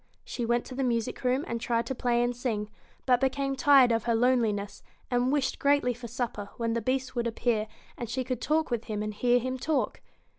She went to the music room and tried to play and sing, but became tired of her loneliness, and wished greatly for supper, when the Beast would appear and she could talk with him, and hear him talk.